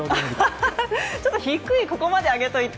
ちょっと低い、ここまで上げておいて。